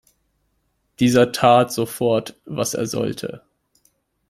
Dieser tat sofort, was er sollte.